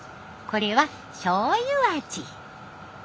これはしょうゆ味。